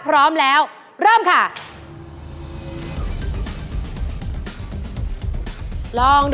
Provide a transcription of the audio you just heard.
อุปกรณ์ทำสวนชนิดใดราคาถูกที่สุด